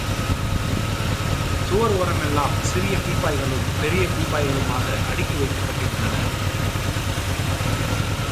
சுவர் ஒரமெல்லாம் சிறிய பீப்பாய்களும், பெரிய பீப்பாய்களுமாக அடுக்கி வைக்கப்பட்டிருந்தன.